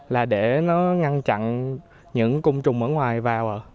là để nó ngăn chặn những cung trùng ở ngoài vào